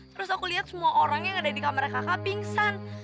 terus aku lihat semua orang yang ada di kamar kakak pingsan